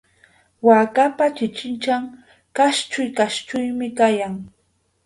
Waakapa chichichan kashuy kashuymi kayan.